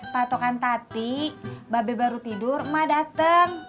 patokan tati mba be baru tidur emak dateng